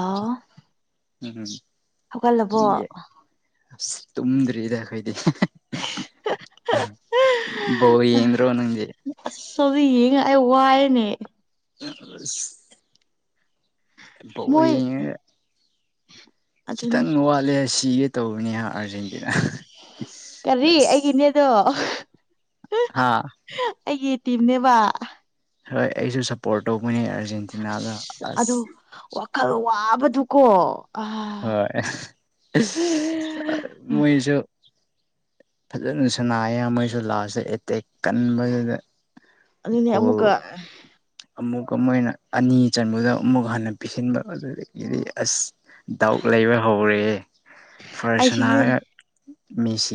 ꯑꯥꯎ ꯎꯝꯝ ꯍꯧꯒꯠꯂꯕꯣ ꯑꯁ ꯇꯨꯝꯗ꯭ꯔꯤꯗ ꯑꯩꯈꯣꯏꯗꯤ ꯣ ꯌꯦꯟ ꯔꯣꯅꯗꯤ ꯆ ꯌꯦ ꯑꯩ ꯋꯥꯏꯅꯦ ꯑ ꯏ ꯃꯣꯏ ꯌꯦꯉ ꯑꯗꯨꯅꯤ ꯈꯤꯇꯪ ꯋꯥꯠꯂꯦ ꯁꯤꯒꯦ ꯇꯧꯕꯅꯦꯍ ꯑꯔꯖꯦꯟꯇꯤꯅꯥ ꯀꯔꯤ ꯑꯩꯒꯤꯅꯦꯗꯣ ꯍꯥꯥ ꯑꯩꯒꯤ ꯇꯤꯝꯅꯦꯕ ꯍꯣꯏ ꯑꯩꯁꯨ ꯁꯞꯄꯣꯔꯠ ꯇꯧꯕꯅꯦ ꯑꯥꯔꯖꯦꯟꯇꯤꯅꯥꯗ ꯑꯁ ꯑꯗꯣ ꯑꯁ ꯋꯥꯕꯗꯨꯀꯣ ꯑ ꯍꯣꯏ ꯃꯁꯨ ꯐꯖꯅ ꯁꯅꯥ ꯑꯌꯥꯝꯈꯩꯁꯨ ꯂꯥꯁꯇꯦ ꯑꯦꯇꯦꯛ ꯀꯟꯕꯗꯨꯗ ꯑꯗꯨꯅꯦ ꯑꯃꯨꯛꯀ ꯑꯃꯨꯛ ꯃꯣꯏꯅ ꯑꯅꯤ ꯆꯟꯕꯗ ꯑꯃꯨꯛ ꯍꯥꯟꯟꯅ ꯄꯤꯁꯤꯟꯕ ꯑꯗꯨꯗꯒꯤꯗꯤ ꯑꯁ ꯗꯥꯎꯠ ꯂꯩꯕ ꯍꯧꯔꯦ ꯑꯩꯁꯤꯅꯦ ꯐꯔꯁꯅꯥꯔꯒ ꯃꯦꯁꯤ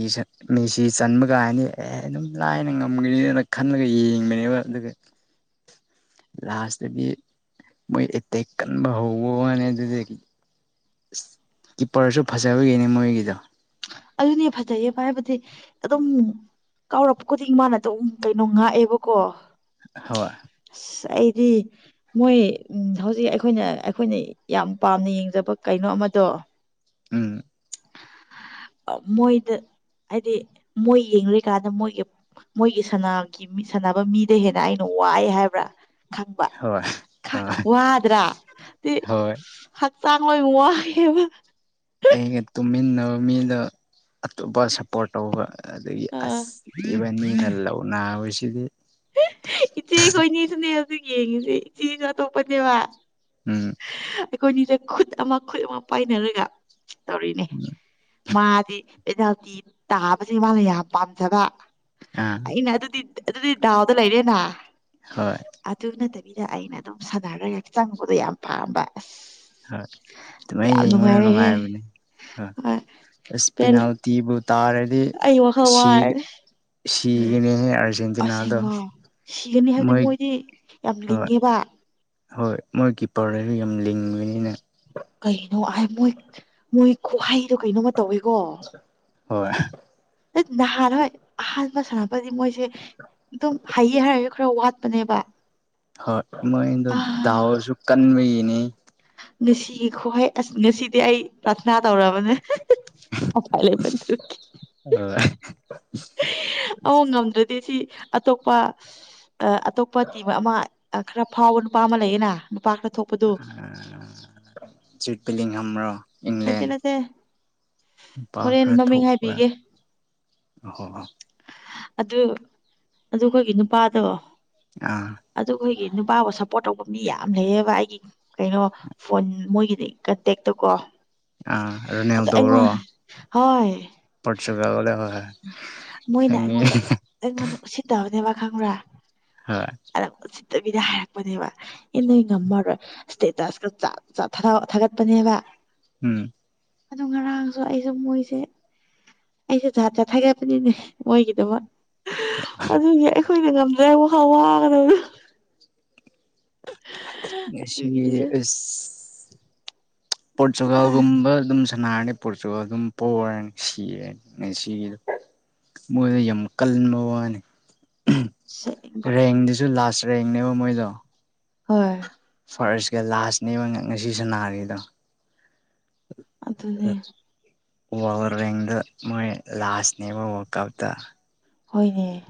ꯃꯦꯁꯤ ꯆꯟꯕ ꯀꯥꯏꯅꯤ ꯑꯦ ꯑꯗꯨꯝ ꯂꯥꯏꯅ ꯉꯝꯒꯅꯤꯅ ꯈꯜꯂꯒ ꯌꯦꯡꯕꯅꯦ ꯇ ꯂꯩ ꯂꯥꯁꯇꯗꯤ ꯃꯣꯏ ꯑꯦꯇꯦꯛ ꯀꯟꯕ ꯍꯧꯋꯣꯅꯦ ꯑꯗꯨꯗꯒꯤ ꯀꯤꯞꯄꯔꯁꯨ ꯐꯖꯕꯒꯤꯅꯦ ꯃꯣꯏꯒꯤꯗ ꯑꯗꯨꯅꯦ ꯐꯖꯩꯌꯦꯕ ꯍꯥꯏꯕꯗꯤ ꯑꯗꯨꯝ ꯀꯥꯎꯔꯛꯄ ꯈꯨꯗꯤꯡ ꯃꯥꯅꯗ ꯀꯩꯅꯣ ꯉꯥꯛꯑꯦꯕꯀꯣ ꯍꯣꯏꯋꯥ ꯑꯁ ꯑꯩꯗꯤ ꯃꯣꯏ ꯎ ꯍꯧꯖꯤꯛ ꯑꯩꯈꯣꯏꯅ ꯑꯩꯈꯣꯏꯅ ꯌꯥꯝ ꯄꯥꯝꯅ ꯌꯦꯡꯖꯕ ꯀꯩꯅꯣ ꯑꯃꯗꯣ ꯎꯝ ꯑ ꯃꯣꯏꯣꯏꯗ ꯍꯥꯏꯗꯤ ꯃꯣꯏ ꯌꯦꯡꯂꯡꯔꯤꯀꯥꯟꯗ ꯃꯣꯏꯒꯤ ꯃꯣꯏꯒꯤꯒꯤ ꯁꯥꯟꯅꯕ ꯃꯤꯗ ꯍꯦꯟꯅ ꯑꯩꯅ ꯋꯥꯏ ꯍꯥꯏꯕ꯭ꯔꯥ ꯈꯪꯕ ꯍꯣꯏ ꯍꯣꯏ ꯋꯥꯗ꯭ꯔꯥ ꯍꯣꯏ ꯆꯥꯡꯉꯣꯏ ꯎꯋꯥꯕ ꯑꯩꯒ ꯇꯨꯝꯃꯤꯟꯅꯕ ꯃꯤꯗ ꯑꯇꯣꯞꯄ ꯁꯞꯄꯣꯔꯠ ꯇꯧꯕ ꯑꯗꯒꯤ ꯑ ꯑꯕꯅꯤꯅ ꯂꯧ ꯅꯥꯕꯁꯤꯗꯤ ꯏꯆꯦ ꯈꯣꯏꯅꯤꯁꯨꯅꯦ ꯍꯧꯖꯤꯛ ꯌꯦꯡꯉꯁꯤꯦ ꯏꯆꯦꯁꯨ ꯑꯇꯣꯞꯄꯅꯦꯕ ꯎꯝ ꯑꯩꯈꯣꯏꯅꯤꯗ ꯈꯨꯠ ꯑꯃ ꯈꯨꯠ ꯑꯃ ꯄꯥꯏꯅꯔꯒ ꯇꯧꯔꯤꯅꯦ ꯃꯥꯗꯤ ꯑꯦꯗꯥꯜꯇꯤ ꯇꯥꯕꯁꯦ ꯃꯥꯅ ꯌꯥꯝ ꯄꯥꯝꯖꯕ ꯑꯥ ꯑꯩꯅ ꯑꯗꯨꯗꯤ ꯑꯗꯨꯗꯤ ꯗꯥꯎꯗ ꯂꯩꯔꯦꯅ ꯍꯣꯏ ꯑꯗꯨ ꯅꯠꯇ ꯕꯤꯗ ꯑꯩꯅ ꯑꯗꯨꯝ ꯁꯥꯅꯔꯒ ꯆꯪꯕꯗꯣ ꯌꯥꯝ ꯄꯥꯝꯕ ꯑꯁ ꯍꯣꯏ ꯑꯗꯨꯃꯥꯏ ꯌꯥꯝ ꯌꯦꯡꯕꯅ ꯅꯨꯡꯉꯥꯏꯔꯦꯍꯦ ꯅꯨꯡꯉꯥꯏꯕꯅꯦ ꯍꯣꯏ [unintelligible] ꯄꯦꯜꯂꯦ ꯄꯅꯥꯜꯇꯤꯕꯨ ꯇꯥꯔꯗꯤ ꯑꯩ ꯋꯥꯈꯜ ꯋꯥꯔꯅꯤ ꯁꯤꯒꯤꯅꯦꯍꯦ ꯑꯥꯔꯖꯦꯟꯇꯤꯅꯥꯗꯣ ꯑꯁꯦꯡꯕ ꯁꯤꯒꯅꯤ ꯍꯥꯏꯕꯗꯤ ꯃꯣꯏ ꯃꯣꯏꯗꯤ ꯌꯥꯝ ꯍꯣꯏ ꯂꯤꯡꯉꯦꯕ ꯍꯣꯏ ꯃꯣꯏꯒꯤ ꯄꯔꯗꯔꯗꯨ ꯌꯥꯝ ꯂꯤꯡꯕꯅꯤꯅ ꯀꯩꯅꯣ ꯍꯥꯏ ꯃꯣꯏ ꯃꯣꯏ ꯈꯨꯍꯩꯗꯣ ꯀꯩꯅꯣꯃ ꯇꯧꯋꯤꯀꯣ ꯍꯣꯏ ꯅꯍꯥꯟ ꯍꯣꯏ ꯑꯍꯥꯟꯕ ꯁꯥꯟꯅꯕꯗꯤ ꯃꯣꯏꯁꯦ ꯑꯗꯨꯝ ꯍꯩꯌꯦ ꯍꯥꯏꯔꯁꯨ ꯈꯔ ꯋꯥꯠꯄꯅꯦꯕ ꯍꯣꯏ ꯃꯣꯏꯗ ꯥꯎꯁꯨ ꯀꯟꯕꯤ ꯉꯁꯤꯈꯣꯍ ꯑꯁ ꯉꯁꯤꯗꯤ ꯑꯩ ꯄ꯭ꯔꯔꯊꯅꯥ ꯇꯧꯔꯕꯅꯦ ꯑ ꯉꯝꯗ꯭ꯔꯗꯤ ꯁꯤ ꯑꯇꯣꯞꯄ ꯑꯇꯣꯞꯄ ꯇꯤꯝ ꯑꯃ ꯈꯔ ꯐꯥꯎꯕ ꯅꯨꯄꯥ ꯑꯃ ꯂꯩꯌꯦꯅ ꯅꯨꯄꯥ ꯈꯔ ꯊꯣꯛꯄꯗꯨ ꯆꯤꯠ ꯄꯂꯤ ꯍ꯭ꯔꯣ ꯅꯠꯇ ꯅꯠꯇ ꯇꯈ꯭ꯔꯦ ꯊꯣꯛ ꯀꯦ ꯑꯍ ꯑꯗꯨ ꯑꯗꯨ ꯑꯩꯈꯣꯏꯒꯤ ꯅꯨꯄꯥꯗꯣ ꯑ ꯑꯗꯨ ꯑꯩꯈꯣꯏꯒꯤ ꯅꯨꯄꯥꯕꯨ ꯁꯞꯄꯣꯔꯠ ꯇꯧꯕ ꯃꯤ ꯌꯥꯝ ꯂꯩꯌꯦꯕ ꯑꯩꯒꯤ ꯀꯩꯅꯣ ꯐꯣꯟ ꯃꯣꯏꯒꯤ ꯀꯇꯦꯛꯛꯇ ꯀꯣ ꯑ ꯔꯅꯦꯧꯗꯧꯔꯣ ꯍꯣꯏ ꯄꯣꯔꯆꯨꯒꯜ ꯋꯥꯂꯦ ꯍꯣꯏ ꯃꯣꯏꯅ ꯈꯪꯉꯦ ꯑꯩꯉꯣꯟꯗ ꯑꯩꯉꯣꯟꯗ ꯎꯁꯤꯠꯇꯕꯅꯦꯕ ꯈꯪꯕ꯭ꯔꯥ ꯍꯣꯏ ꯆꯠꯇꯕꯤꯗ ꯍꯥꯏꯔꯛꯄꯅꯦꯕ ꯏ ꯅꯣꯏ ꯉꯝꯃꯔꯣꯏ ꯏꯁꯇꯦꯇꯁꯀ ꯊꯥꯒꯠꯄꯅꯦꯕ ꯎꯝ ꯑꯗꯨ ꯉꯔꯥꯡꯁꯨ ꯑꯩꯁꯨ ꯃꯣꯏꯁꯦ ꯑꯩꯁꯦ ꯖꯥꯠꯇ ꯊꯥꯒꯠꯄꯅꯤꯅꯦ ꯃꯣꯏꯒꯤꯗꯃꯛ ꯑꯗꯨꯒꯤ ꯑꯩꯈꯣꯏꯅ ꯑ ꯋꯥ ꯍ ꯋꯥ ꯑꯗꯨꯒꯤꯅꯤꯗ [unintelligible] ꯋꯥꯏ ꯄꯣꯠꯆꯒꯒꯨꯝꯕ ꯑꯗꯨꯝ ꯁꯅꯥꯔꯅꯤ ꯄꯨꯠꯁꯨ ꯑꯗꯨꯝ ꯄꯣꯔꯦ ꯁꯤꯔꯦ ꯁꯤꯗꯣ ꯃꯣꯏꯗ ꯌꯥꯝ ꯀꯟꯕ ꯋꯥꯅꯤ ꯑꯁꯦꯡꯕ ꯔꯦꯡꯗꯨꯁꯨ ꯂꯥꯁ ꯔꯦꯡꯅꯦꯕ ꯃꯣꯏꯗꯣ ꯍꯣꯏ ꯐꯥꯔꯁꯀ ꯂꯥꯁꯅꯦꯕ ꯉꯁꯤꯁꯨ ꯅꯥꯔꯤꯗꯣ ꯑꯗꯨꯅꯦꯦ ꯋꯥ ꯔꯗ ꯃꯣꯏ ꯂꯥꯁꯅꯦꯕ ꯋꯥꯔꯛ ꯑꯥꯎ ꯇ ꯍꯣꯏꯅꯦ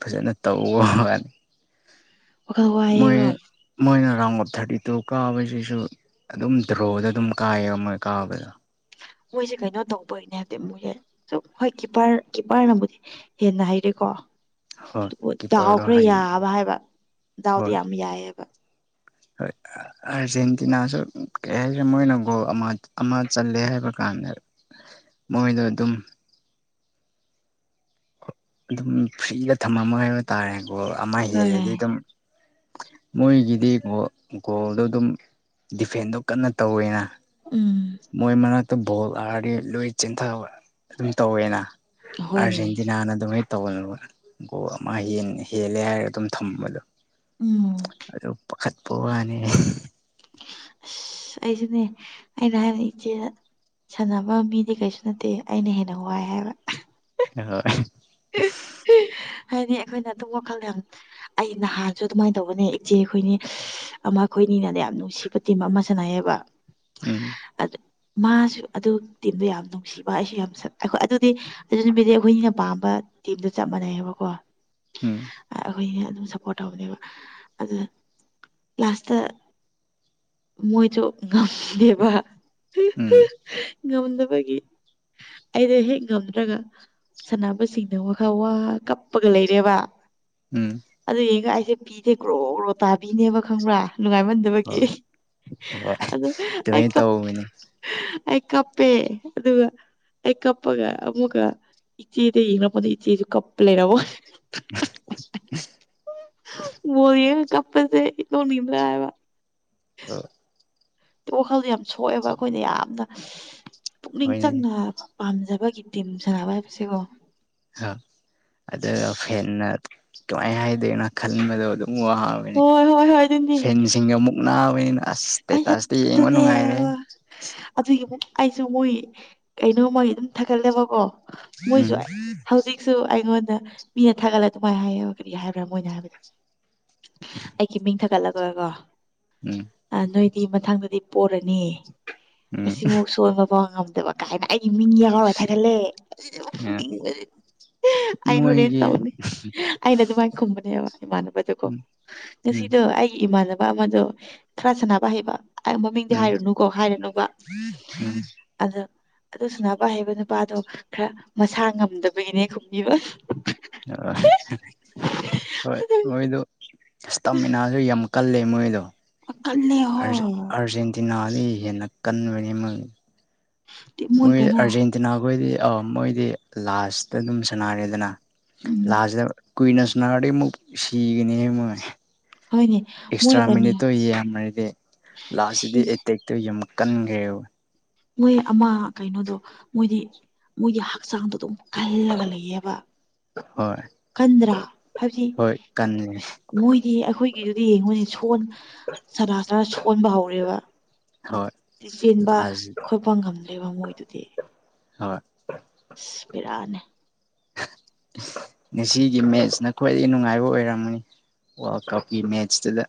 ꯐꯖꯅ ꯇꯧ ꯋꯥꯅꯤ ꯎꯍ ꯋꯥꯦ ꯃꯣꯏ ꯃꯣꯏꯅ ꯔꯥꯎꯟ ꯑꯣꯞ ꯊꯥꯔꯇꯤ ꯇꯨ ꯀꯥꯕꯁꯤꯁꯨ ꯑꯗꯨꯝ ꯗ꯭ꯔꯣꯗ ꯑꯗꯨꯝ ꯀꯥꯏꯌꯦꯕ ꯃꯣꯏ ꯀꯥꯕꯗꯣ ꯃꯣꯏꯁꯦ ꯀꯩꯅꯣ ꯇꯧꯕꯒꯤꯅꯦ ꯍꯥꯏꯕꯗꯤ ꯃꯣꯏꯁꯦ ꯁꯨꯝ ꯍꯣꯏ ꯀꯤꯞꯄꯔ ꯀꯤꯞꯄꯔꯅꯕꯨꯗꯤ ꯍꯦꯟꯅ ꯍꯥꯏꯔꯦ ꯀꯣ ꯍꯣꯏ ꯗꯥꯎ ꯀꯤꯞꯄꯔꯗꯣ ꯈꯔ ꯍꯩ ꯌꯥꯕ ꯍꯥꯏꯕ ꯗꯥꯎꯗꯤ ꯍꯣꯏ ꯌꯥꯝ ꯌꯥꯏꯑꯕ ꯍꯣꯏ ꯑꯥꯔꯖꯦꯟꯇꯤꯅꯥꯁꯨ ꯀꯩ ꯍꯥꯏꯔꯦ ꯃꯣꯏꯅ ꯒꯣꯜ ꯑꯃ ꯑꯃ ꯆꯠꯂꯦ ꯍꯥꯏꯕ ꯀꯥꯟꯗ ꯃꯣꯏꯗ ꯑꯗꯨ ꯑꯗꯨꯝ ꯑꯗꯨꯝ ꯐ꯭ꯔꯤꯗ ꯊꯝꯃꯝꯃ ꯍꯥꯏꯕ ꯇꯥꯔꯦꯀꯣ ꯑꯃ ꯍꯣꯏ ꯍꯦꯜꯂꯗꯤ ꯑꯗꯨꯝ ꯃꯣꯏꯒꯤꯗꯤ ꯒꯣꯜꯗꯣ ꯑꯗꯨꯝ ꯗꯤꯐꯦꯟꯗꯣ ꯀꯟꯅ ꯇꯧꯋꯦꯅ ꯎꯝ ꯃꯣꯏ ꯃꯔꯅꯥꯛꯇ ꯚꯣꯜ ꯑꯥꯔꯗꯤ ꯂꯣꯏ ꯆꯤꯟꯊꯕ ꯑꯗꯨꯝ ꯇꯧꯋꯦꯅ ꯍꯣꯏꯅꯦ ꯑꯔꯖꯦꯟꯇꯤꯅꯥ ꯑꯅ ꯑꯗꯨ ꯃ ꯇꯧꯅ ꯀꯣ ꯑꯃ ꯍꯦꯜꯂꯦ ꯍꯥꯏꯔꯒ ꯑꯗꯨꯝ ꯊꯝꯕꯗꯣ ꯎꯝ ꯑꯗꯨ ꯄꯈꯄꯒꯅꯦꯦ ꯑ ꯑꯩꯁꯤꯅꯦ ꯑꯩꯅ ꯍꯥꯏꯅ ꯏꯆꯦꯗ ꯁꯥꯟꯅꯕ ꯃꯤꯗꯤ ꯀꯩꯁꯨ ꯅꯠꯇꯦ ꯑꯩꯅ ꯍꯦꯟꯅ ꯋꯥꯏ ꯍꯥꯏꯕ ꯍꯣꯏ ꯍꯥꯏꯗꯤ ꯑꯩꯈꯣꯏꯅ ꯑꯗꯨꯝ ꯋꯥꯈꯜ ꯌꯥꯝ ꯑꯩ ꯅꯍꯥꯟꯁꯨ ꯑꯗꯨꯃꯥꯏꯅ ꯇꯧꯕꯅꯦ ꯏꯆꯦ ꯑꯩꯈꯣꯏꯅꯤ ꯑꯃ ꯑꯩꯈꯣꯏ ꯃꯤꯅꯅꯦ ꯌꯥꯝ ꯅꯨꯡꯁꯤꯕ ꯇꯤꯝ ꯑꯃ ꯆꯅꯌꯦꯕ ꯎꯝ ꯃꯥꯁꯨ ꯑꯗꯨ ꯇꯤꯝꯗ ꯌꯥꯝ ꯅꯨꯡꯁꯤꯕ ꯑꯩꯁꯨ ꯌꯥꯝ ꯁ ꯑꯩꯈꯣꯏ ꯑꯗꯨꯗꯤ ꯑꯗꯨ ꯅꯨꯃꯤꯗꯤ ꯑꯩꯈꯣꯏꯅꯤꯅ ꯄꯥꯝꯕ ꯇꯤꯝ ꯆꯞ ꯃꯥꯟꯅꯩꯕꯀꯣ ꯎꯝ ꯑꯩꯈꯣꯏ ꯑꯗꯨꯝ ꯁꯞꯄꯣꯔꯠ ꯇꯧꯕꯅꯦꯕ ꯑꯗꯨꯗ ꯂꯥꯁꯇ ꯃꯣꯏꯁꯨ ꯉꯝꯗꯦꯕ ꯎꯝ ꯉꯝꯗꯕꯒꯤ ꯑꯩꯗꯣ ꯍꯦꯛ ꯉꯝꯗ꯭ꯔꯒ ꯁ ꯁꯤꯡꯅ ꯋꯥꯈ ꯋꯥ ꯀꯞꯄꯒ ꯂꯩꯔꯦꯕ ꯎꯝ ꯑꯗꯨꯅꯦ ꯄꯤꯗꯦ ꯀ꯭ꯔꯣ꯭ꯔꯣ ꯇꯥꯕꯤꯅꯦꯕ ꯈꯪꯕ꯭ꯔꯥ ꯅꯨꯡꯉꯥꯏꯃꯟꯗꯕꯒꯤ ꯍꯣꯏ ꯍꯣꯏ ꯑꯗꯨ ꯑꯗꯨꯃꯥꯏꯅ ꯇꯧꯕꯅꯤ ꯑꯩ ꯑꯩ ꯀꯞꯄꯦ ꯑꯗꯨꯒ ꯑꯩ ꯀꯞꯄꯒ ꯑꯃꯨꯛꯀ ꯏꯆꯦ ꯅꯄ ꯏ ꯆꯦ ꯀꯞꯄ ꯂꯩꯔꯕꯣ ꯦ ꯀꯄꯁꯦ ꯊꯅꯤꯗ꯭ꯔꯕ ꯎ ꯋꯥꯈꯜꯗꯣ ꯌꯥꯝ ꯁꯣꯛꯑꯦꯕ ꯑꯩꯈꯣꯏꯅ ꯌꯥꯝꯅ ꯄꯨꯛꯅꯤꯡ ꯍꯣꯏꯅꯦ ꯆꯪꯅ ꯄꯥꯝꯖꯕꯒꯤ ꯇꯤꯝ ꯁꯥꯟꯅꯕ ꯍꯥꯏꯕꯁꯤꯀꯣ ꯑ ꯑꯗꯨꯒ ꯍꯦꯟꯅ ꯀꯃꯥꯏꯅ ꯍꯥꯏꯗꯣꯏꯦꯅꯣ ꯈꯟꯕꯗꯣ ꯎ ꯋꯥꯍꯥꯡꯕꯅꯤ ꯍꯣꯏ ꯍꯣꯏ ꯍꯣꯏ ꯑꯗꯨꯅꯤ ꯐꯦꯟꯁꯤꯡꯒ ꯃꯨꯛꯅꯥ ꯑꯩꯣꯏꯅ ꯑꯁ ꯑꯩ ꯁꯇꯦꯇꯥꯁꯇ ꯌꯦꯡꯕ ꯑꯗꯨꯅꯦ ꯅꯨꯡꯉꯥꯏꯔꯦ ꯑꯗꯨꯒꯤ ꯑꯃꯨꯛ ꯑꯩꯁꯨ ꯃꯣꯏ ꯀꯩꯅꯣꯃꯣꯏ ꯑꯗꯨꯝ ꯊꯥꯒꯠꯂꯦꯕꯀꯣ ꯃꯣꯏꯁꯨ ꯎꯝ ꯍꯧꯖꯤꯛꯁꯨ ꯑꯩꯉꯣꯟꯗ ꯃꯤꯅ ꯊꯥꯒꯠꯂ ꯑꯗꯨꯃꯥꯏꯅ ꯍꯥꯏ ꯍꯥꯏꯕ꯭ꯔꯥ ꯃꯅ ꯍꯥꯏꯕꯗ ꯑꯩꯒꯤ ꯃꯤ ꯊꯠ ꯒ ꯎꯝ ꯅꯣꯏꯗꯤ ꯃꯊꯪꯗꯗꯤ ꯄꯣꯔꯅꯤ ꯎꯝ ꯑꯁꯤꯃꯥꯎ ꯁꯣꯟꯕ ꯐꯥꯎ ꯉꯝꯗꯕ ꯀꯥꯏꯅ ꯑꯩ ꯏꯃꯤꯤꯡꯒꯤꯌꯥ ꯀ ꯀ ꯊ ꯀꯦ ꯑꯩ ꯍꯣꯔꯦꯟ ꯃꯣꯏꯒꯤ ꯇꯧꯅꯤ ꯑꯩꯅ ꯑꯗꯨꯃꯥꯏꯅ ꯈꯨꯝꯕꯅꯦꯕ ꯏꯃꯥꯟꯅꯕꯗꯨꯀꯣ ꯎꯝ ꯎꯝ ꯉꯁꯤꯗꯣ ꯑꯩꯒꯤ ꯏꯃꯥꯟꯅꯕ ꯑꯃꯗꯣ ꯈꯔ ꯁꯥꯟꯅꯕ ꯍꯩꯕ ꯃꯃꯤꯡꯗꯤ ꯎꯝ ꯍꯥꯏꯔꯨꯅꯨꯀꯣ ꯍꯥꯏꯔꯅꯨꯕ ꯎꯝ ꯑꯗ ꯑꯗꯨꯁꯨ ꯅꯄꯥ ꯍꯥꯏꯕ ꯅꯨꯄꯥꯗꯣ ꯈꯔ ꯃꯁꯥ ꯉꯝꯗꯕꯒꯤꯅꯦ ꯈꯨꯝꯕꯤꯕ ꯍꯣꯏ ꯍꯣꯏ ꯃꯣꯏꯗ ꯑ ꯇꯝꯃꯤꯅꯁꯨ ꯌꯥꯝ ꯀꯜꯂꯦ ꯃꯣꯏꯗꯣ ꯀꯜꯂꯦ ꯍꯣꯏ ꯑꯥꯔꯖꯦꯟꯇꯤꯅꯥ ꯑꯩ ꯍꯦꯟꯅ ꯀꯟꯕꯅꯤ ꯃꯣꯏ ꯑꯥꯔꯖꯦꯟꯇꯤꯅꯥ ꯈꯣꯏꯗꯤ ꯑ ꯃꯣꯏꯗꯤ ꯂꯥꯁꯇ ꯑꯗꯨꯝ ꯁꯥꯟꯅꯔꯦꯗꯅ ꯎꯝ ꯂꯥꯁꯗ ꯀꯨꯏꯅꯁꯅꯥꯒꯥꯔꯒ ꯑꯃꯨꯛ ꯁꯤꯒꯅꯤ ꯃꯣꯏ ꯍꯣꯏꯅꯦ ꯃꯣꯏ ꯑꯦꯛꯁꯇ꯭ꯔꯥ ꯀꯩꯅꯣ ꯃꯤꯅꯤꯠꯇꯣ ꯌꯥꯝꯃꯗꯤ ꯁꯤ ꯂꯥꯁꯁꯤꯗꯤ ꯑꯦꯇꯦꯛꯇꯣ ꯌꯥꯝ ꯀꯟꯒꯦ ꯃꯣꯏ ꯑꯃ ꯀꯩꯅꯣꯗꯣ ꯃꯣꯏꯗꯤ ꯃꯣꯏꯒꯤ ꯍꯛꯆꯥꯡꯗꯣ ꯑꯗꯨꯝ ꯈꯜꯂꯒ ꯂꯩꯌꯦꯕ ꯍꯣꯏ ꯀꯟꯗ꯭ꯔꯥ ꯍꯥꯏꯕꯗꯤ ꯍꯣꯏ ꯀꯟꯂꯦ ꯃꯣꯏꯗꯤ ꯑꯩꯈꯣꯏꯒꯤꯗꯨꯗꯤ ꯌꯦꯡꯉꯣꯅꯦ ꯁꯣꯟ ꯁꯅꯥ ꯁꯅꯥ ꯁꯣꯟꯕ ꯍꯧꯕ ꯍꯣꯏ ꯆꯦꯟꯕ ꯂꯥꯁ ꯈꯣꯠꯄ ꯉꯝꯗ꯭ꯔꯦꯕ ꯃꯣꯏꯗꯨꯗꯤ ꯍ ꯏꯁ ꯄꯔꯅꯦ [unintelligible] ꯉꯁꯤꯒꯤ ꯃꯦꯠꯁꯅ ꯈ꯭ꯋꯥꯏꯗꯒꯤ ꯅꯨꯡꯉꯥꯏꯕ ꯑꯣꯏꯔꯝꯅꯤ ꯋꯥꯔꯜ ꯀꯞꯀꯤ ꯃꯦꯠꯁꯇꯨꯗ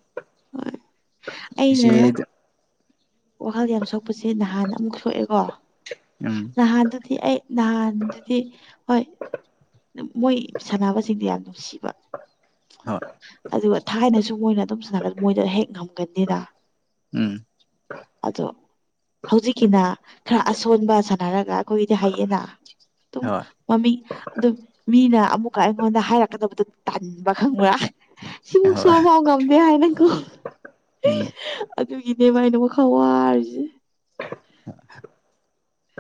ꯁꯤ ꯑꯩꯅ ꯋꯥꯈꯜ ꯌꯥꯝ ꯁꯣꯛꯄꯁꯦ ꯅꯍꯥꯟ ꯑꯃꯨꯛ ꯁꯣꯛꯑꯦꯀꯣ ꯎꯝ ꯅꯍꯥꯟꯗꯨꯗꯤ ꯑꯩ ꯅꯍꯥꯟꯗꯨꯗꯤ ꯍꯣꯏ ꯃꯣꯏ ꯁꯥꯟꯅꯕꯁꯤꯡꯗꯤ ꯌꯥꯝ ꯅꯨꯡꯁꯤꯕ ꯍ ꯑꯗꯨꯒ ꯊꯥꯏꯅꯁꯨ ꯃꯣꯏꯅ ꯑꯗꯨꯝ ꯁꯥꯟꯅꯒ ꯃꯣꯏꯗ ꯍꯦꯛ ꯉꯝꯒꯟꯅꯤꯅ ꯎꯝ ꯑꯗꯣ ꯍꯧꯖꯤꯛꯀꯤꯅ ꯈꯔ ꯑꯁꯣꯟꯕ ꯁꯥꯟꯅꯔꯒ ꯑꯩꯈꯣꯏꯒꯤꯗꯤ ꯍꯩꯌꯦꯅ ꯑꯗꯨꯝ ꯍꯣꯏ ꯃꯃꯤꯡ ꯑꯗꯨꯝ ꯃꯤꯅ ꯑꯃꯨꯛꯀ ꯑꯩꯉꯣꯟꯗ ꯍꯥꯏꯔꯛꯀꯗꯕꯗꯨꯣ ꯇꯟꯕ ꯈꯪꯕ꯭ꯔꯥ ꯁꯤꯃꯨꯛ ꯍꯣꯏ ꯁꯨꯨꯔꯐꯥꯎ ꯉꯝꯗꯦ ꯍꯥꯏꯅꯀꯣ ꯎꯝ ꯑꯗꯨꯒꯤꯅꯦ ꯃꯥꯏꯅꯦ ꯋꯥꯈꯥ ꯋꯥꯔꯤꯁꯦ [unintelligible]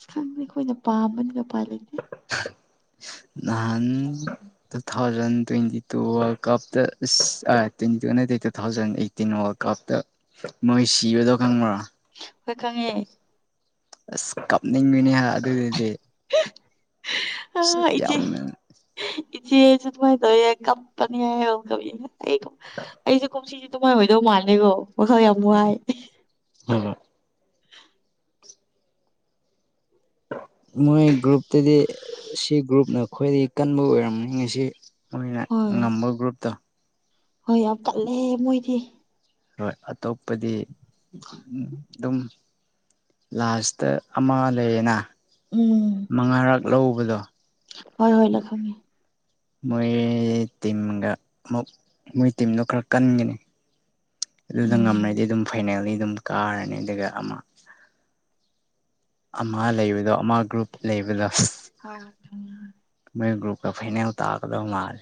ꯑ ꯈꯪꯗꯦ ꯑꯩꯈꯣꯏꯅ ꯄꯥꯃꯅꯤꯒ ꯄꯥꯜꯂꯤꯅꯦꯦ ꯅꯍꯥꯟ ꯇꯨ ꯊꯥꯎꯖꯟ ꯇ꯭ꯋꯦꯟꯇꯤ ꯇꯨꯔ ꯀꯞ ꯇ꯭ꯋꯦꯟꯇꯤ ꯇ ꯍꯥꯟꯅꯗꯗꯤ ꯇꯨ ꯊꯥꯎꯖꯟ ꯑꯩꯠꯇꯤꯟ ꯋꯥꯔꯜ ꯀꯞꯇ ꯃꯣꯏ ꯁꯤꯕꯗꯣ ꯈꯪꯕ꯭ꯔꯣ ꯍꯣꯏ ꯈꯪꯉꯦ ꯅꯤꯡ ꯃꯤꯅꯤ ꯑꯗꯨꯗꯦ ꯌꯥꯎ ꯏꯆꯦꯁꯨꯦꯥꯏꯗ ꯀꯝꯄꯅꯤ ꯍꯥꯏ ꯑꯩꯁꯨꯦ ꯀꯁꯤ ꯑꯗꯨꯃꯥꯏꯅ ꯑꯣꯏꯣꯏꯗꯧ ꯃꯥꯜꯂꯀꯣ ꯋꯥꯈꯜ ꯌꯥꯝ ꯋꯥꯏ ꯍꯣꯏ ꯃꯣꯏ ꯒ꯭ꯔꯨꯞꯇꯗꯤ ꯁꯤ ꯒ꯭ꯔꯨꯞꯅ ꯈ꯭ꯋꯥꯏꯗꯒꯤ ꯀꯟꯕ ꯑꯣꯏꯔꯝꯅꯤ ꯉꯁꯤ ꯃꯣꯏꯅ ꯍꯣꯏ ꯉꯝꯕ ꯒ꯭ꯔꯨꯞꯇꯣ ꯍꯣꯏ ꯌꯥꯝ ꯀꯜꯂꯦ ꯃꯣꯏꯗꯤ ꯍꯣꯏ ꯑꯇꯣꯞꯄꯗꯤ ꯑꯗꯨꯝ ꯂꯥꯁꯇ ꯑꯃ ꯂꯩꯌꯦꯅ ꯎꯝ ꯃꯉꯥꯔꯛ ꯂꯧꯕꯗꯣ ꯍꯣꯏ ꯍꯣꯏ ꯂꯈꯃꯤꯃꯤ ꯃꯣꯏ ꯇꯤꯝꯒ ꯑꯃꯨꯛ ꯃꯣꯏ ꯇꯤꯝꯗꯣ ꯈꯔ ꯀꯟꯒꯅꯤ ꯑꯗꯨꯗ ꯎꯝ ꯉꯝꯃꯗꯤ ꯑꯗꯨꯝ ꯐꯥꯏꯅꯦꯜꯂꯤ ꯑꯗꯨꯝ ꯀꯥꯔꯅꯤ ꯑꯗꯨꯒ ꯑꯃ ꯑꯃ ꯂꯩꯕꯗꯣ ꯑꯃ ꯒ꯭ꯔꯨꯞ ꯂꯩꯕꯗꯣ ꯍꯣꯏ ꯃꯣꯏ ꯒ꯭ꯔꯨꯨꯞꯀ ꯐꯥꯏꯅꯦꯜ ꯇ ꯀꯗ ꯃꯥꯜ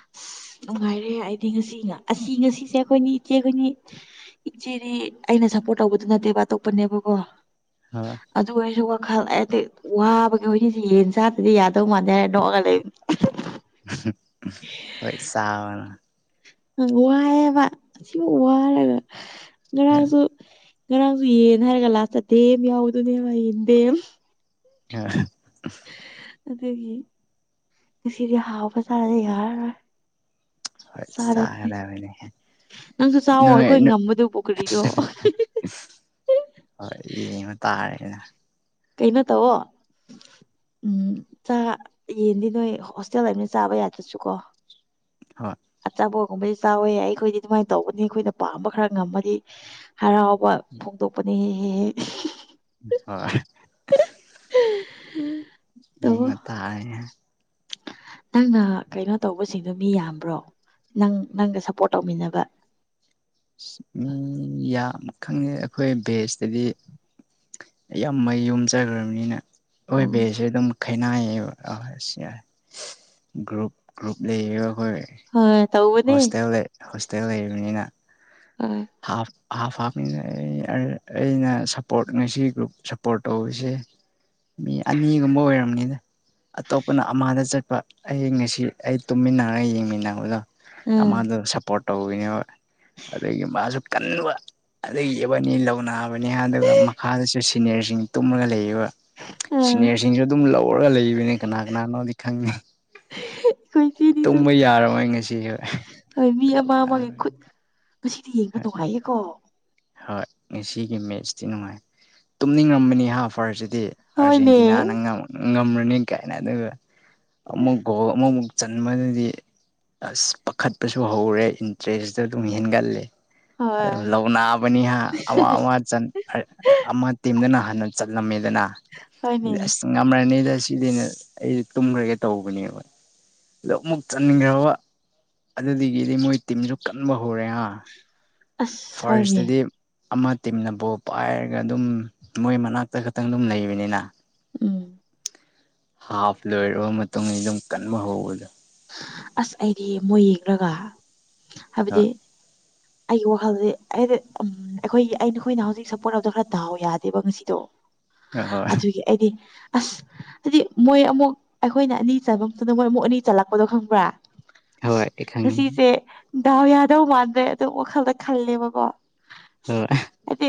ꯑꯁ ꯅꯨꯡꯉꯥꯏꯔꯦ ꯑꯩꯗꯤ ꯉꯁꯤ ꯉ ꯑꯁꯤ ꯉꯁꯤꯁꯦ ꯑꯩꯈꯣꯏꯅꯤ ꯏꯆꯦ ꯑꯩꯈꯣꯏꯅꯤ ꯏꯆꯦꯗꯤ ꯑꯩꯅ ꯁꯞꯄꯣꯔꯠ ꯇꯧꯕꯗꯨ ꯅꯠꯇꯦꯕ ꯑꯇꯣꯞꯄꯅꯦꯕꯀꯣ ꯍꯣꯏ ꯑꯗꯨ ꯑꯣꯏꯔꯁꯨ ꯈꯜꯂꯗꯤ ꯋꯥꯕꯒꯤ ꯍꯧꯖꯤꯛꯁꯦ ꯌꯦꯟ ꯆꯥꯗꯗꯤ ꯌꯥꯗꯧ ꯃꯥꯟꯗꯦ ꯍꯥꯏꯔ ꯅꯣꯛꯑꯒ ꯂꯩ ꯍꯣꯏ ꯆꯅ ꯋꯥꯏꯑꯦꯕ ꯁꯤꯃ ꯋꯥꯔꯒ ꯉꯔꯥꯡꯁꯨ ꯉꯔꯥꯡꯁꯨ ꯌꯦꯟ ꯍꯥꯏꯔꯒ ꯂꯥꯛ ꯆꯗꯦ ꯌꯥꯎꯕꯗꯨꯅꯦ ꯃꯥ ꯌꯦꯟꯗꯦ ꯑ ꯑꯗꯨꯒꯤ ꯉꯁꯤꯗꯤ ꯍꯥꯎꯕ ꯆꯥꯔꯗꯤ ꯌꯥꯔꯔꯣꯏ ꯍꯣꯏ ꯆꯥꯗꯣꯏꯅꯦ ꯆꯔꯕꯅꯦ ꯅꯪꯁꯨ ꯆꯥꯛꯑꯣ ꯑꯩꯈꯣꯏ ꯉꯝꯕꯗꯨ ꯄꯨ ꯀ꯭ꯔꯤꯗꯣ ꯍꯣꯏ ꯏꯕ ꯇꯥꯔꯦꯅ ꯀꯩꯅꯣ ꯇꯑꯣꯣ ꯎꯝꯥ ꯌꯦꯟꯗꯤ ꯅꯣꯏ ꯍꯣꯁꯇꯦꯜ ꯍꯥꯏꯕꯅ ꯆꯥꯕ ꯌꯥꯗ꯭ꯔꯁꯨꯀꯣ ꯍ ꯊꯕꯣꯒꯨꯝꯕꯗꯤ ꯆꯥꯎꯋꯦ ꯑꯩꯈꯣꯏꯗꯤ ꯑꯗꯨꯃꯥꯏꯅ ꯇꯧꯕꯅꯤ ꯑꯩꯈꯣꯏꯅ ꯄꯥꯝꯕ ꯈꯔ ꯉꯝꯃꯗꯤ ꯍꯔꯥꯎꯕ ꯐꯣꯡꯗꯣꯛꯄꯅꯤꯍ ꯍ ꯌꯦ ꯇꯧꯋꯣ ꯉ ꯇꯥꯏ ꯅꯪꯅ ꯀꯩꯅꯣ ꯇꯧꯕꯁꯤꯡꯗꯣ ꯃꯤ ꯌꯥꯝꯕ꯭ꯔꯣ ꯅꯪ ꯅꯪꯒ ꯁꯞꯄꯣꯔꯠ ꯇꯧꯃꯤꯟꯅꯕ ꯃꯤ ꯌꯥꯝ ꯈꯪꯉꯦ ꯑꯩꯈꯣꯏ ꯕꯦꯖꯇꯗꯤ ꯌꯥꯝꯌꯥꯝ ꯃꯩ ꯌꯨꯝ ꯆꯈ꯭ꯔꯕꯅꯤꯅ ꯑꯩꯣꯏ ꯎꯝ ꯕꯦꯁꯦ ꯑꯗꯨꯝ ꯈꯩꯅꯥꯏꯌꯦꯕ ꯑ ꯁꯤ ꯒ꯭ꯔꯨꯞ ꯒ꯭ꯔꯨꯞ ꯂꯩꯌꯦꯕ ꯍꯣꯏ ꯍꯣꯏ ꯇꯧꯕꯅꯦ ꯍꯣꯁꯇꯦꯜ ꯍꯣꯁꯇꯦꯜ ꯂꯩꯔꯤꯕꯅꯤꯅ ꯎꯝ ꯍꯥ ꯍꯥꯞ ꯍꯥꯥꯞꯅꯤꯅ ꯑꯩꯅ ꯁꯞꯄꯣꯔꯠ ꯉꯁꯤ ꯒ꯭ꯔꯨꯞ ꯁꯞꯄꯣꯔꯠ ꯇꯧꯕꯔꯤꯁꯦ ꯃꯤ ꯑꯅꯤꯒꯨꯝꯕ ꯑꯣꯏꯔꯕꯝꯅꯤꯗ ꯑꯇꯣꯞꯄꯅ ꯑꯃꯥꯗ ꯆꯠꯄ ꯑꯩ ꯉꯁꯤ ꯑꯩ ꯇꯨꯝꯃꯤꯟꯅꯔꯒ ꯌꯦꯡꯃꯤꯟꯅꯕꯗꯣ ꯑꯃꯗ ꯑ ꯁꯞꯄꯣꯔꯠ ꯇꯧꯕꯤꯅꯦꯕ ꯑꯗꯒꯤ ꯃꯥꯁꯨ ꯀꯟꯕ ꯑꯗꯨ ꯌꯦꯕꯅꯤ ꯂꯧꯅꯥꯕꯅꯤ ꯑꯗꯨꯒ ꯃꯈꯥꯗꯁꯨ ꯁꯤꯅꯤꯌꯔꯁꯤꯡ ꯇꯨꯝꯂꯒ ꯂꯩꯌꯦꯕ ꯑꯩꯈꯣꯏ ꯁꯤꯅꯦꯔꯁꯤꯡꯁꯨ ꯑꯗꯨꯝ ꯂꯧꯔꯒ ꯂꯩꯕꯅꯤ ꯀꯅꯥ ꯀꯅꯥꯅꯣꯗꯤ ꯈꯪꯉꯤ ꯏꯆꯦꯅꯤꯁꯨ ꯇꯨꯝꯕ ꯌꯥꯔꯃꯣꯏ ꯉꯁꯤ ꯍꯣꯏ ꯃꯤ ꯑꯃ ꯑꯃꯒꯤ ꯈꯨꯠ ꯉꯁꯤꯗꯤ ꯌꯦꯡꯕ ꯇꯣꯡꯉꯥꯏꯌꯦꯀꯣ ꯍꯣꯏ ꯉꯁꯤꯒꯤ ꯃꯦꯠꯁꯇꯤ ꯅꯨꯡꯉꯥꯏ ꯇꯨꯝꯅꯤꯡꯔꯝꯕꯅꯤ ꯍꯥ ꯐꯔꯁꯤ ꯗꯤ ꯍꯣꯏꯅꯦ ꯑꯥꯔꯖꯦꯟꯇꯤꯅꯥꯅ ꯉꯝꯔꯅꯤ ꯀꯥꯏꯅ ꯑꯗꯨꯒ ꯑꯃꯨꯛ ꯒꯣꯜ ꯑꯃꯨꯛꯨ ꯆꯟꯕꯗꯗꯤ ꯑꯁ ꯄꯥꯈꯠꯄꯁꯨ ꯍꯧꯔꯦ ꯏꯟꯇꯔꯦꯁꯇꯣ ꯑꯗꯨꯝ ꯍꯦꯟꯒꯠꯂꯦ ꯑ ꯍꯣꯏ ꯂꯧꯅꯥꯕꯅꯤ ꯍꯥꯏ ꯑꯃ ꯑꯃ ꯅ ꯍꯥꯟ ꯆꯠꯂꯝꯃꯤꯗꯅ ꯍꯣꯏꯅꯦ ꯑꯁ ꯉꯝꯃꯅꯤꯗ ꯑꯁꯤꯅꯦꯅꯦ ꯑꯩꯁ ꯇꯨꯝꯈ꯭ꯔꯒꯦ ꯇꯧꯕꯅꯦꯕ ꯑ ꯑꯃꯨꯛ ꯆꯟꯈ꯭ꯔꯕ ꯑꯗꯨꯗꯒꯤꯗꯤ ꯃꯣꯏ ꯇꯤꯝꯁꯨ ꯀꯟꯕ ꯍꯧꯔꯦ ꯑꯁ ꯍꯅꯦ ꯐꯥꯔꯁꯇꯗꯤ ꯑꯃ ꯇꯤꯝꯅꯕꯨꯣ ꯄꯥꯏꯔꯒ ꯑꯗꯨꯝ ꯃꯣꯏ ꯃꯅꯥꯛꯇ ꯈꯛꯇꯪ ꯑꯗꯨꯝ ꯂꯩꯕꯅꯤꯅ ꯎꯝ ꯍꯥꯐ ꯂꯣꯏꯔꯕ ꯃꯇꯨꯡꯗ ꯑꯗꯨꯝ ꯀꯟꯕ ꯍꯧꯕꯗꯣ ꯑꯁ ꯑꯩꯗꯤ ꯌꯦꯡ ꯃꯣꯏ ꯌꯦꯡꯂꯡꯒ ꯍꯥꯏꯕꯗꯤ [unintelligible] ꯑꯩꯒꯤ ꯋꯥꯈꯜꯗꯤ ꯍꯥꯏꯗꯤ ꯎꯝ ꯑꯩꯈꯣꯏ ꯑ ꯅꯈꯣꯏꯅ ꯍꯧꯖꯤꯛ ꯁꯞꯄꯣꯔꯠ ꯇꯗ ꯈꯔ ꯗꯥꯎ ꯌꯥꯗꯦꯕ ꯉꯁꯤꯗꯣ ꯍꯣꯏ ꯍꯣꯏ ꯑꯗꯨꯒꯤ ꯑꯩꯗꯤ ꯑꯁ ꯍꯥꯏꯗꯤ ꯃꯣꯏ ꯑꯃꯨꯛ ꯑꯩꯈꯣꯏꯅ ꯑꯅꯤ ꯆꯟꯕ ꯃꯇꯝꯗ ꯃꯣꯏ ꯑꯃꯨꯛ ꯑꯅꯤ ꯆꯜꯂꯛꯄꯗꯣ ꯈꯪꯕ꯭ꯔꯥ ꯑꯁ ꯍꯣꯏ ꯈꯪ ꯉꯁꯤꯁꯦ ꯗꯥꯎ ꯌꯥꯗꯧ ꯃꯥꯟꯗ꯭ꯔꯦ ꯑꯗꯨꯝ ꯋꯥꯈꯜꯗ ꯈꯜꯂꯦꯕꯀꯣ ꯍꯣꯏ ꯍꯥꯏꯗꯤ